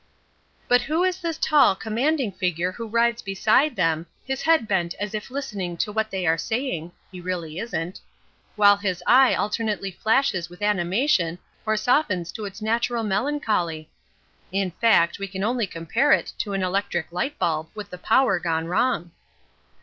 But who is this tall, commanding figure who rides beside them, his head bent as if listening to what they are saying (he really isn't) while his eye alternately flashes with animation or softens to its natural melancholy? (In fact, we can only compare it to an electric light bulb with the power gone wrong.)